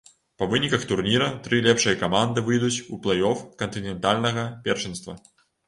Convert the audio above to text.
Па выніках турніра тры лепшыя каманды выйдуць у плэй-оф кантынентальнага першынства.